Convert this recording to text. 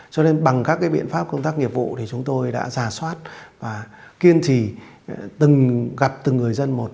cho nên bằng các biện pháp công tác nghiệp vụ thì chúng tôi đã giả soát và kiên trì gặp từng người dân một